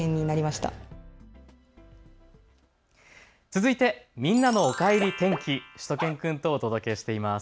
続いてみんなのおかえり天気、しゅと犬くんとお届けしています。